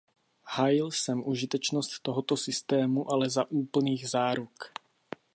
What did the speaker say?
Hájil jsem užitečnost tohoto systému, ale za úplných záruk.